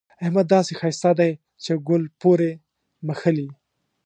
احمد داسې ښايسته دی چې ګل پورې مښلي.